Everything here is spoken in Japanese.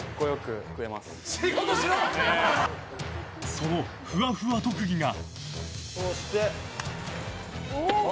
その、ふわふわ特技が。